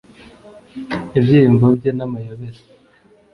ibyiyumvo bye n'amayobera